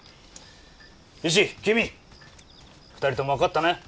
石きみ２人とも分かったね？